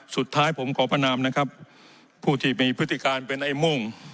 สุดท้ายผมขอประนามนะครับผู้ที่มีพฤติการเป็นไอ้โม่ง